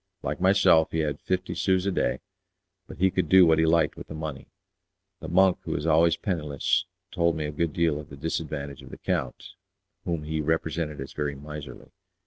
Like myself he had fifty sous a day, but he could do what he liked with the money. The monk, who was always penniless, told me a good deal to the disadvantage of the count, whom he represented as very miserly.